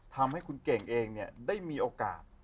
ทำให้คุณเก่งเองได้มีโอกาส